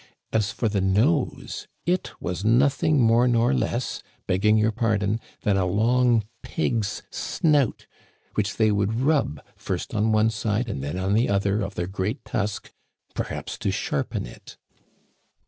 As for the nose, it was nothing more nor less, begging your pardon, than a long pig's snout, which they would rub first on one side and then on the other of their great tusk, perhaps to sharpen it.